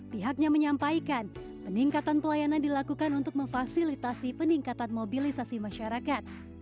pihaknya menyampaikan peningkatan pelayanan dilakukan untuk memfasilitasi peningkatan mobilisasi masyarakat